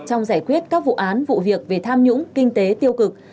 trong giải quyết các vụ án vụ việc về tham nhũng kinh tế tiêu cực